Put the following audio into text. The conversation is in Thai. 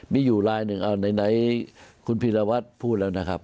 มีอยู่ลายหนึ่งเอาไหนคุณพีรวัตรพูดแล้วนะครับ